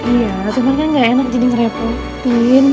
iya cuman kan gak enak jadi ngerepotin